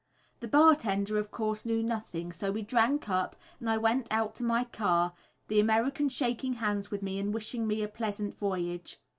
The bar tender of course knew nothing, so we drank up, and I went out to my car, the American shaking hands with me and wishing me a pleasant voyage.